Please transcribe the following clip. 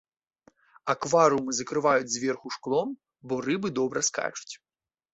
Акварыумы закрываюць зверху шклом, бо рыбы добра скачуць.